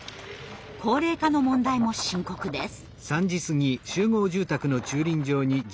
高齢化の問題も深刻です。